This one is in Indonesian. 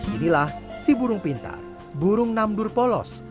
inilah si burung pintar burung namdur polos